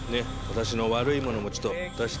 私の悪いものもちょっと出して。